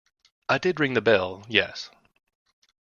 I did ring the bell, yes.